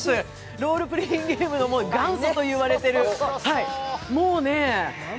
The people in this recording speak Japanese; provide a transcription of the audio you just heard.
ロールプレイングゲームの元祖と言われている。